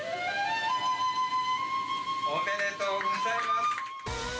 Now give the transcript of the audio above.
・おめでとうございます！